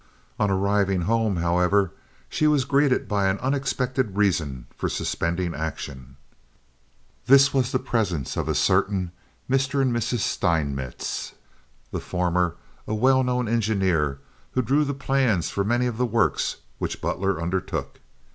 On arriving home, however, she was greeted by an unexpected reason for suspending action. This was the presence of a certain Mr. and Mrs. Steinmetz—the former a well known engineer who drew the plans for many of the works which Butler undertook.